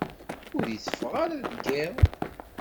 Ur iteffeɣ ara deg yiḍ.